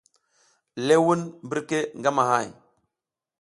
Lewun birke ngamahay.